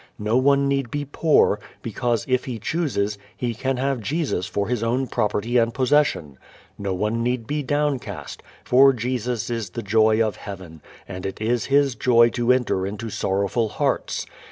No one need be poor, because, if he chooses, he can have Jesus for his own property and possession. No one need be downcast, for Jesus is the joy of heaven, and it is His joy to enter into sorrowful hearts.